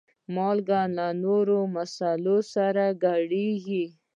مالګه له نورو مصالحو سره ګډېږي.